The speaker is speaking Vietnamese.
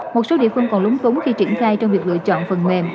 một số địa phương còn lúng túng khi triển khai trong việc lựa chọn phần mềm